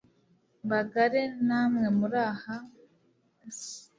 bagare namwe muri aha s